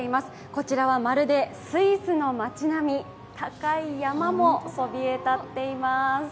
こちらはまるでスイスの街並み、高い山もそびえ立っています。